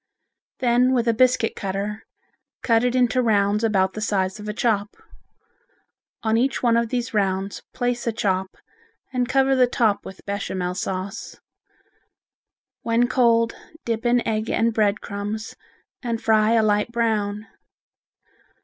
Then with a biscuit cutter, cut it into rounds about the size of a chop. On each one of these rounds place a chop and cover the top with Bechamel sauce. When cold dip in egg and bread crumbs and fry a light brown.